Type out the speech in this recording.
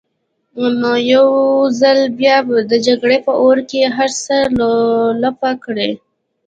نو يو ځل بيا به د جګړې په اور کې هر څه لولپه کړي.